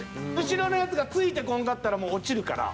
後ろのやつがついてこんかったらもう落ちるから。